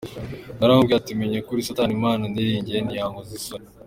Naramubwiye nti : “Menye ko uri Satani Imana niringiye ntiyankoza isoni”.